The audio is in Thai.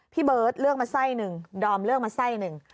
พี่เบิร์ตเลือกมาไส้หนึ่งดอมเลือกมาไส้หนึ่ง